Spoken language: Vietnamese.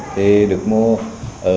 thì được mua ở sài gòn này